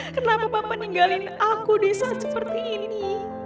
kenapa papa meninggalin aku di saat seperti ini